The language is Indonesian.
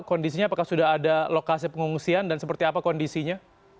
kondisinya apakah sudah ada lokasi pengungsian dan seperti apa kondisinya